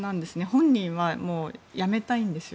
本人はやめたいんですよ。